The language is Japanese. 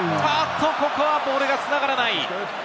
ここはボールが繋がらない。